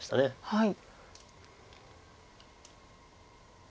はい。